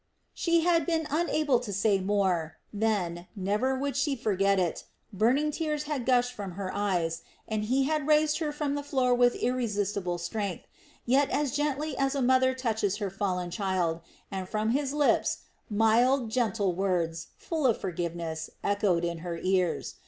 She had been unable to say more; then never would she forget it burning tears had gushed from her eyes and he had raised her from the floor with irresistible strength, yet as gently as a mother touches her fallen child, and from his lips mild, gentle words, full of forgiveness, echoed in her ears.